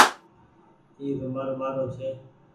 اي رومآل مآرو ڇي۔